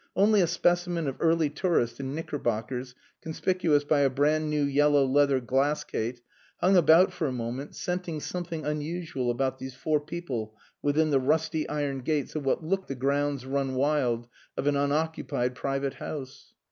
Only a specimen of early tourist in knickerbockers, conspicuous by a brand new yellow leather glass case, hung about for a moment, scenting something unusual about these four people within the rusty iron gates of what looked the grounds run wild of an unoccupied private house.